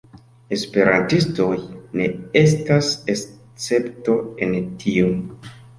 Esperantistoj ne estas escepto en tio.